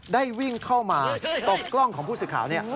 ได้วิ่งเข้ามาตบกล้องของผู้สื่อข่าว